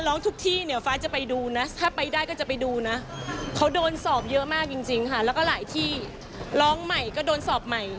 แล้วก็หลายที่ร้องใหม่ก็โดนสอบใหม่